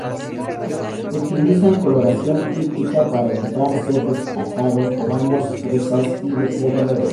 Utilizan coloración críptica para evitar ser detectados por ambos presas y depredadores.